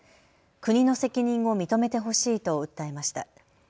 国の責任を認めてほしいと訴えました。